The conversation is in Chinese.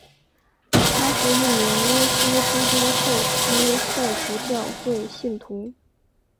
他是一名耶稣基督后期圣徒教会信徒。